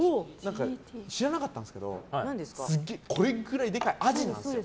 知らなかったんですけどこれくらいでかいアジなんですよ。